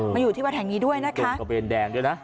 มาอยู่ที่วัดแห่งนี้ด้วยนะคะตรงกระเบนแดงด้วยนะ